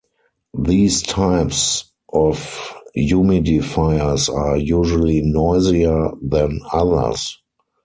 These types of humidifiers are usually noisier than others.